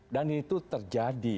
dan itu terjadi